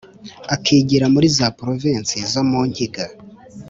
akigira muri za provinsi zo mu nkiga,